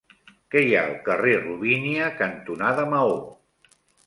Què hi ha al carrer Robínia cantonada Maó?